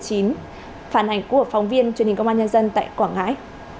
phản ảnh của phóng viên truyền hình công an nhân dân tại quảng ngãi